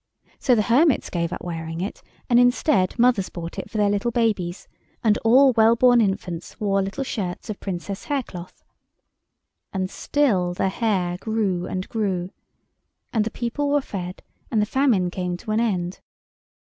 So the hermits gave up wearing it, and, instead, mothers bought it for their little babies, and all well born infants wore little shirts of Princess haircloth. And still the hair grew and grew. And the people were fed and the famine came to an end.